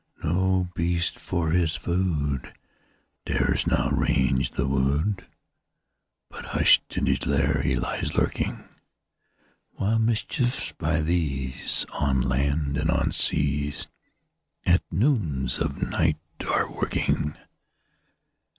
No beast, for his food, Dares now range the wood, But hush'd in his lair he lies lurking; While mischiefs, by these, On land and on seas, At noon of night are a working.